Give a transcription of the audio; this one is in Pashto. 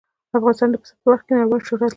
افغانستان د پسه په برخه کې نړیوال شهرت لري.